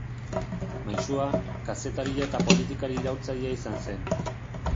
Maisua, kazetaria eta politikari iraultzailea izan zen.